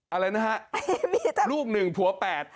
อะไรนะฮะลูก๑ผัว๘